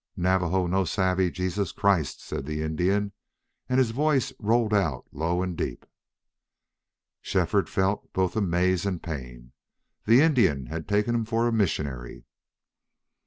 "Navajo no savvy Jesus Christ," said the Indian, and his voice rolled out low and deep. Shefford felt both amaze and pain. The Indian had taken him for a missionary.